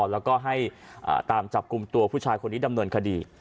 แล้วก็ให้ตามจับกลุ่มตัวผู้ชายคนนี้ดำเนินคดี